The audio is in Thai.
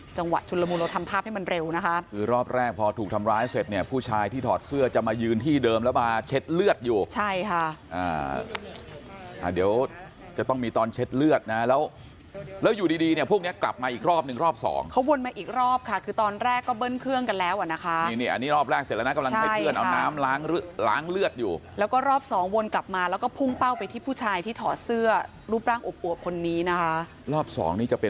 จังหวะชุนละมูลเราทำภาพให้มันเร็วนะคะคือรอบแรกพอถูกทำร้ายเสร็จเนี่ยผู้ชายที่ถอดเสื้อจะมายืนที่เดิมแล้วมาเช็ดเลือดอยู่ใช่ค่ะเดี๋ยวจะต้องมีตอนเช็ดเลือดนะแล้วแล้วอยู่ดีเนี่ยพวกนี้กลับมาอีกรอบนึงรอบสองเขาวนมาอีกรอบค่ะคือตอนแรกก็เบิ้ลเครื่องกันแล้วอ่ะนะคะนี่นี่อันนี้รอบแรกเสร็จแล้